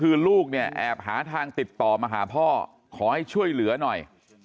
คือลูกเนี่ยแอบหาทางติดต่อมาหาพ่อขอให้ช่วยเหลือหน่อย